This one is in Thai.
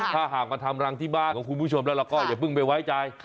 ถ้าหากมาทำรังที่บ้านของคุณผู้ชมแล้วเราก็อย่าเพิ่งไปไว้ใจ